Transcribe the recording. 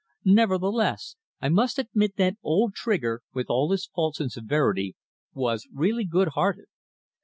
Nevertheless, I must admit that old Trigger, with all his faults and severity, was really good hearted.